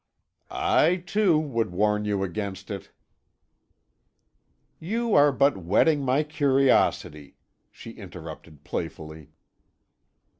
"I, too, would warn you against it " "You are but whetting my curiosity," she interrupted playfully.